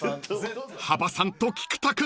［羽場さんと菊田君